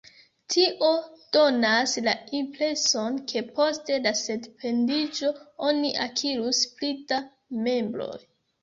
Tio donas la impreson, ke post la sendependiĝo oni akirus pli da membroj.